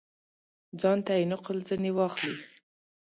ځانته یې نقل ځني واخلي.